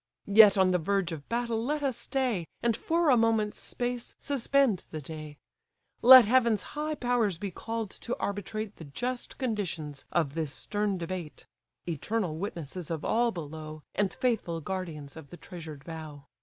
Yet on the verge of battle let us stay, And for a moment's space suspend the day; Let Heaven's high powers be call'd to arbitrate The just conditions of this stern debate, (Eternal witnesses of all below, And faithful guardians of the treasured vow!)